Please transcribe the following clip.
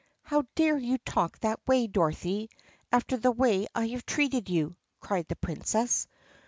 "How dare you talk that way, Dorothy, after the way I have treated you*?" cried the Princess.